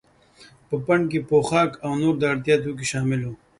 په پنډکي کې پوښاک او نور د اړتیا توکي شامل وو.